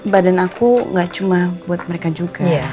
badan aku gak cuma buat mereka juga